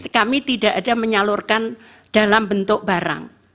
kami tidak ada menyalurkan dalam bentuk barang